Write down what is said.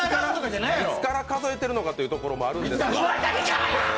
いつから数えてるかというところもありますが。